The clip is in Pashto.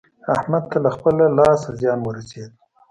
احمد ته له خپله لاسه زيان ورسېد.